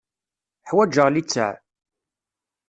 Ḥwajeɣ littseɛ.